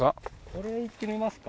これいってみますか？